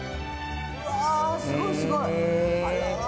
わすごいすごい。